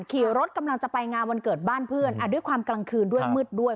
ขี่รถกำลังจะไปงานวันเกิดบ้านเพื่อนด้วยความกลางคืนด้วยมืดด้วย